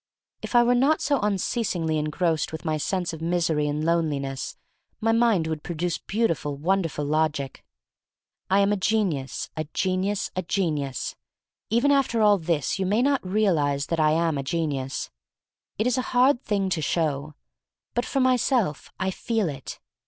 If I were not so unceasingly en grossed with my sense of misery and loneliness my mind would produce beautiful, wonderful logic. I am a genius — a genius — a genius. Even after all this you may not realize that I am a genius. It is a hard thing to show. But, for myself, I feel it.